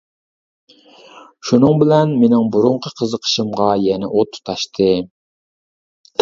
شۇنىڭ بىلەن مېنىڭ بۇرۇنقى قىزىقىشىمغا يەنە ئوت تۇتاشتى.